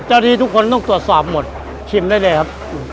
ที่ทุกคนต้องตรวจสอบหมดชิมได้เลยครับ